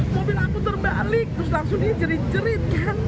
mobil aku terbalik terus langsung ini jerit jerit kan